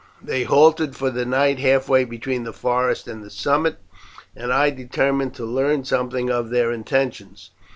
They halted for the night halfway between the forest and the summit, and I determined to learn something of their intentions.